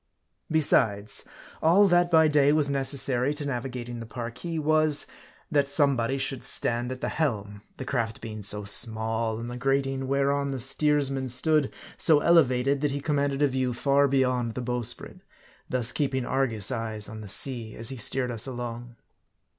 Besides, all that by day was necessary to navigating the Parki was, that somebody should stand at the helm ; the craft being so small, and the grating, whereon the steersman VOL. i. F 122 MARDI. stood, so elevated, that he commanded a view far beyond the bowsprit ; thus keeping Argus eyes on the sea, as he steered us along.